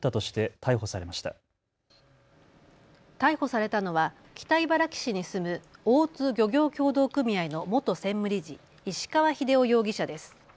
逮捕されたのは北茨城市に住む大津漁業協同組合の元専務理事、石川秀夫容疑者です。